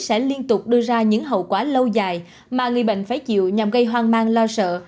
sẽ liên tục đưa ra những hậu quả lâu dài mà người bệnh phải chịu nhằm gây hoang mang lo sợ